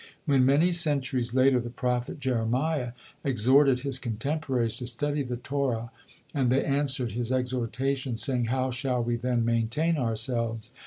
When, many centuries later, the prophet Jeremiah exhorted his contemporaries to study the Torah, and they answered his exhortations, saying, "How shall we then maintain ourselves?"